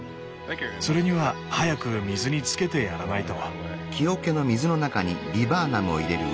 それには早く水につけてやらないと。